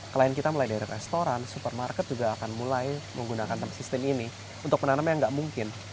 klien kita mulai dari restoran supermarket juga akan mulai menggunakan sistem ini untuk menanam yang nggak mungkin